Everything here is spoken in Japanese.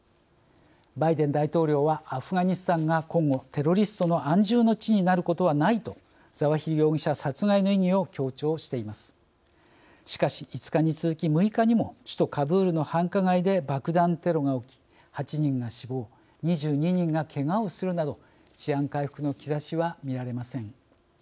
バイデン大統領は「アフガニスタンが今後テロリストの安住の地になることはない」と、ザワヒリ容疑者殺害の意義を強調しています。しかし、５日に続き６日にも首都カブールの繁華街で爆弾テロが起き、８人が死亡２２人がけがをするなど治安回復の兆しは見られません。